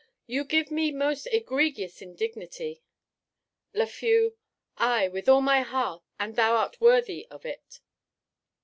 You give me most egregious indignity. Laf. Ay, with all my heart; and thou art worthy of it.